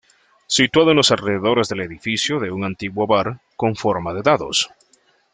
Situado en los alrededores del edificio de un antiguo bar, con forma de dados.